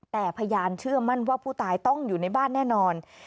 แต่พยานเชื่อมั่นว่าผู้ตายต้องอยู่ในบ้านแน่นอน